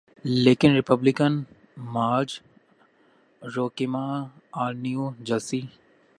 لیکن Republican Marge Roukema R New Jersey